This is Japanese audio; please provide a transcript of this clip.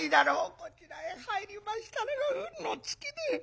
こちらへ入りましたのが運の尽きで。